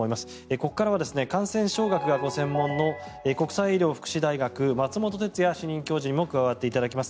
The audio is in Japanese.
ここからは感染症学がご専門の国際医療福祉大学松本哲哉主任教授にも加わっていただきます。